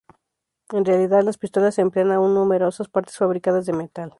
En realidad, las pistolas emplean aún numerosas partes fabricadas de metal.